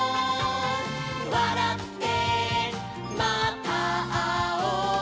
「わらってまたあおう」